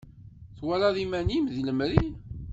Twalaḍ iman-im deg lemri.